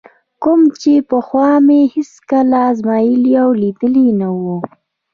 کوم چې پخوا مې هېڅکله ازمایلی او لیدلی نه وي.